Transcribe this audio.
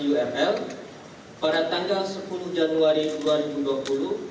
kesalahan konfigurasi url pada tanggal sepuluh januari dua ribu dua puluh